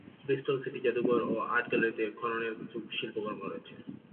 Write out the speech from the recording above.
Bristol City জাদুঘর ও art গ্যালারিতে খননের কিছু শিল্পকর্ম রয়েছে।